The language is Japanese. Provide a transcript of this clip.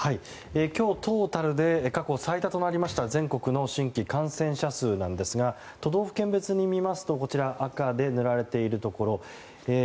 今日、トータルで過去最多となりました全国の新規感染者数なんですが都道府県別に見ますと赤で塗られているところ２１